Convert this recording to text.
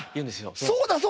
そうだそうだ！